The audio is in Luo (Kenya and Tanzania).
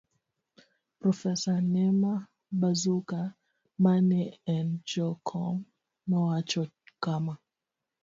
Profesa Nema Bazuka ma ne en jakom nowacho kama